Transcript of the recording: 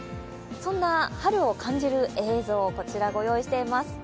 そんな春を感じる映像、こちら御用意しています。